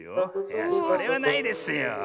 いやそれはないですよ。